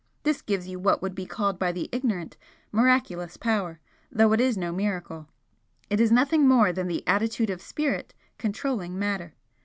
This gives you what would be called by the ignorant 'miraculous' power, though it is no miracle. It is nothing more than the attitude of Spirit controlling Matter.